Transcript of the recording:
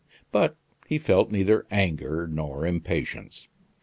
But he felt neither anger nor impatience.